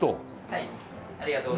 はい。